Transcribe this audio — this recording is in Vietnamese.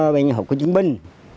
bên hội kiệu chiến binh